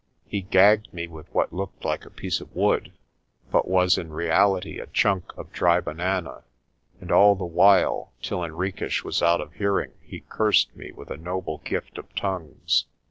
He gagged me with what looked like a piece of wood, but was in reality a chunk of dry banana. And all the while, till Henriques was out of hearing, he cursed me with a noble gift of tongues.